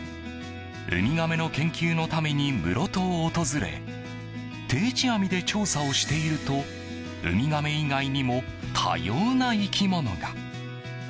ウミガメの研究のために室戸を訪れ定置網で調査をしているとウミガメ以外にも多様な生き物が。